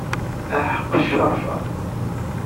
Aḥeq Ccerfa.